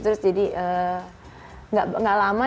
terus jadi gak lama